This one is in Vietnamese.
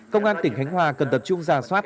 công an tỉnh khánh hòa cần tập trung giả soát